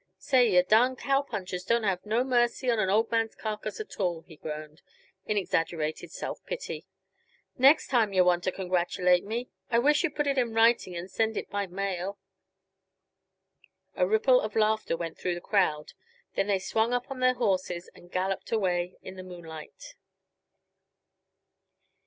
"Say, yuh darned cowpunchers don't have no mercy on an old man's carcass at all," he groaned, in exaggerated self pity. "Next time yuh want to congratulate me, I wish you'd put it in writing and send it by mail." A little ripple of laughter went through the crowd. Then they swung up on their horses and galloped away in the moonlight.